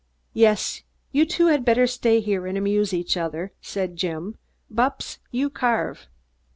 "Yes, you two better stay here and amuse each other," said Jim. "Bupps, you carve!"